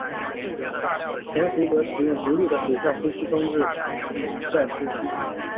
潜水者使用独立的水下呼吸装置以在呼吸。